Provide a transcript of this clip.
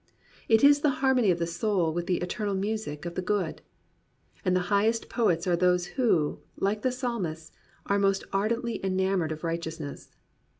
It is the harmony of the soul with the eternal music of the Good. And the highest poets are those who, like the psalmists, are most ardently enamoured of righteousness.